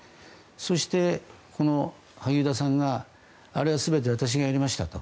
そしてこの萩生田さんがあれは全て私がやりましたと